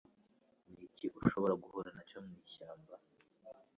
niki ushobora guhura nacyo mu ishyamba?